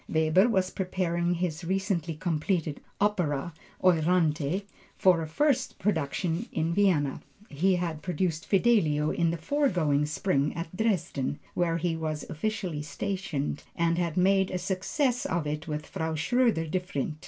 Weber was preparing his recently completed opera Euryanthe, for a first production in Vienna. He had produced Fidelio in the foregoing spring season at Dresden, where he was officially stationed, and had made a success of it with Frau Schroeder Devrient.